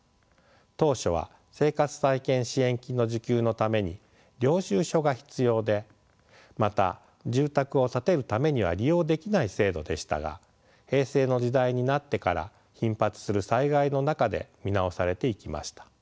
当初は生活再建支援金の受給のために領収書が必要でまた住宅を建てるためには利用できない制度でしたが平成の時代になってから頻発する災害の中で見直されていきました。